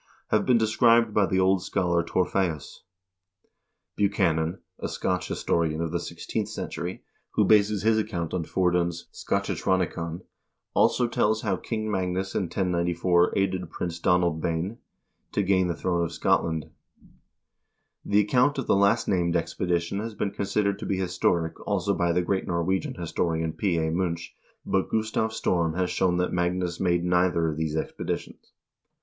vol. i — x 306 HISTORY OF THE NORWEGIAN PEOPLE historian of the sixteenth century, who bases his account on Fordun's " Scotichronicon," also tells how King Magnus in 1094 aided Prince Donaldbane to gain the throne of Scotland. The account of the last named expedition has been considered to be historic also by the great Norwegian historian P. A. Munch, but Gustav Storm has shown that Magnus made neither of these expeditions.